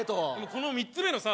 この３つ目のさ